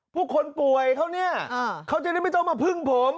พวกคนป่วยเขาจะได้ไม่ต้องมาพึ่งผม